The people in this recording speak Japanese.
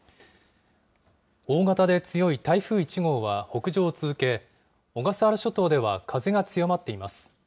大型で強い台風１号は北上を続け、小笠原諸島では風が強まっています。